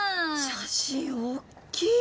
写真おっきい！